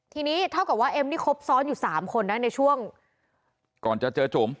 ทีนี้เท่ากับว่าเอ็มนี่ครบซ้อนอยู่๓คนนะในช่วงก่อนจะเจอจุ๋ม